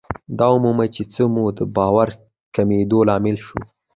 دا ومومئ چې څه مو د باور کمېدو لامل شو.